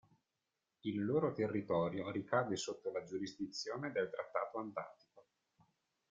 Il loro territorio ricade sotto la giurisdizione del Trattato Antartico.